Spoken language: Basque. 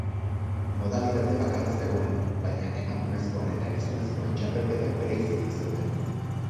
Modalitate bakarra zegoen, baina emakumezkoen eta gizonezkoen txapelketak bereizirik zeuden.